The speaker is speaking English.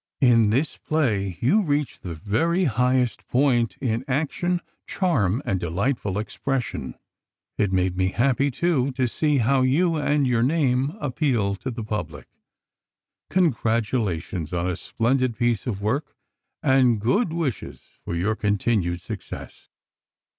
In this play, you reach the very highest point in action, charm and delightful expression. It made me happy, too, to see how you and your name appeal to the public. Congratulations on a splendid piece of work, and good wishes for your continued success.